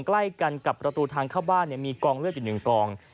ใกล้กันกับประตูทางเข้าบ้านมีกองเลือดอยู่๑กอง